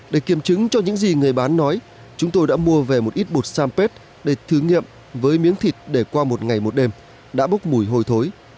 để kiểm chứng cho những gì người bán nói chúng tôi đã mua về một ít bột sampace để thử nghiệm với miếng thịt để qua một ngày một đêm đã bốc mùi hôi thối